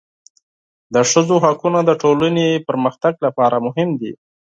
د ښځو حقونه د ټولنې پرمختګ لپاره مهم دي.